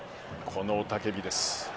この雄叫びです。